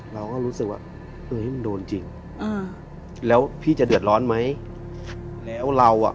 เราก็รู้สึกว่า